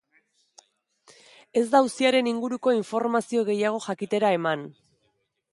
Ez da auziaren inguruko informazio gehiago jakitera eman.